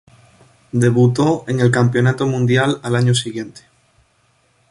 Debutó en el campeonato mundial al año siguiente.